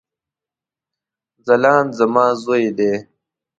ځلاند زما ځوي دی